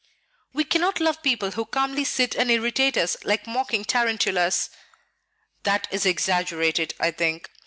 "We cannot love people who calmly sit and irritate us like mocking tarantulas." "That is exaggerated, I think.